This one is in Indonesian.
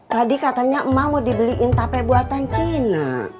tadi katanya emak mau dibeliin tape buatan cina